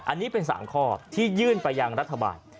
อันนี้เป็น๓ข้อที่ยื่นไปยังรัฐบาล